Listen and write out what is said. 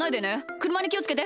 くるまにきをつけて。